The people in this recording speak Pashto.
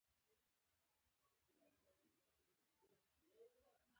نه یوازې دا چې ټول پښتانه طالبان نه دي.